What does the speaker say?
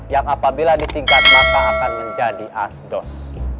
yang apabila disingkat maka akan menjadi asdos